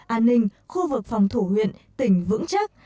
an ninh khu vực phòng thủ huyện tỉnh vững chắc